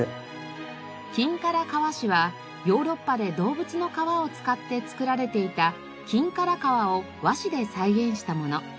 金唐革紙はヨーロッパで動物の革を使って作られていた金唐革を和紙で再現したもの。